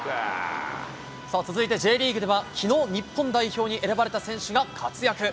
続いてＪリーグでは、きのう、日本代表に選ばれた選手が活躍。